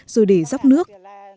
rồi để dốc nước